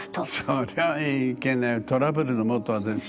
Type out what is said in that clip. それはいけないトラブルのもとですね。